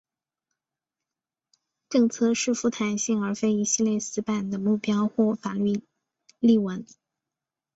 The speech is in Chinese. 政策是富弹性的而非一系列死板的目标或法律例文。